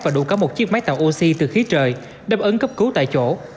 và đủ có một chiếc máy tạo oxy từ khí trời đảm ứng cấp cứu tại chỗ